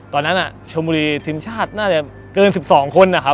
ตอนนั้นชมบุรีทีมชาติน่าจะเกิน๑๒คน